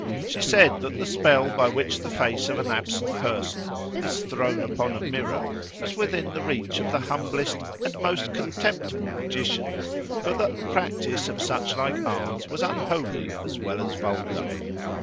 She said that the spell by which the face of an absent person is thrown upon a mirror was within the reach of the humblest and most contemptible magicians, but that the practice of such like arts was unholy as well as vulgar.